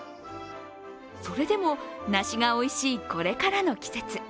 それでも、梨がおいしいこれからの季節。